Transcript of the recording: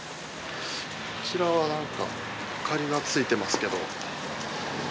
こちらはなんか明かりがついてますけど。